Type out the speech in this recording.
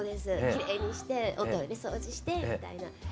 きれいにしておトイレ掃除してみたいな。